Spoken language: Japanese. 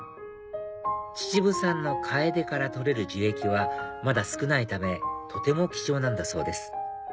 秩父産のカエデから採れる樹液はまだ少ないためとても貴重なんだそうです